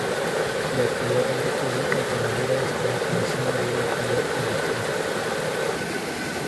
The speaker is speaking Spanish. La actividad agrícola y ganadera está muy por encima de la actividad industrial.